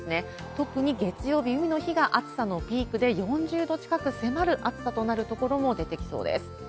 特に月曜日、海の日が暑さのピークで４０度近く迫る暑さとなるところも出てきそうです。